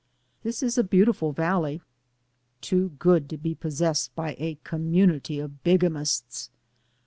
This is a beautiful valley. Too good to be possessed by a community of bigamists.